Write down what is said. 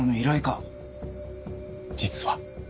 実は。